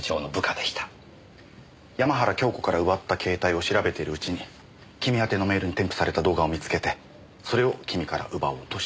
山原京子から奪った携帯を調べてるうちに君宛てのメールに添付された動画を見つけてそれを君から奪おうとした。